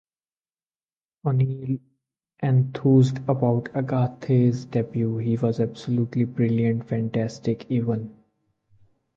O'Neill enthused about Agathe's debut, He was absolutely brilliant, fantastic even.